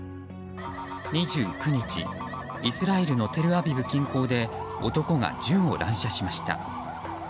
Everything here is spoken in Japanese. ２９日、イスラエルのテルアビブ近郊で男が銃を乱射しました。